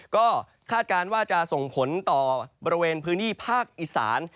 ก็คาดการณ์ว่าจะส่งผลต่อบริเวณพื้นที่ภาคอีสาน